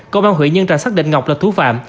công an huyện nhân trạch xác định ngọc là thủ phạm